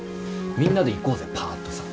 みんなで行こうぜパーッとさ。